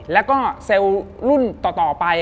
แล้วก็เซลล์รุ่นต่อไป